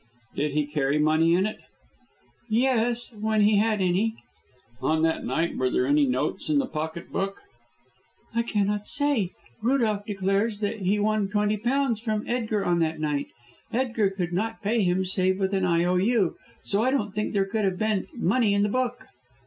"Did he carry money in it?" "Yes, when he had any." "On that night were there any notes in the pocket book?" "I cannot say. Rudolph declares that he won twenty pounds from Edgar on that night. Edgar could not pay him save with an I.O.U., so I don't think there could have been money in the book."